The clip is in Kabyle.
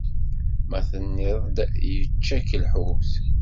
Ma tenniḍ-d yečča-k lḥut.